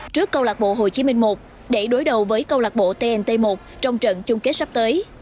trước câu lạc bộ hồ chí minh một để đối đầu với câu lạc bộ tnt một trong trận chung kết sắp tới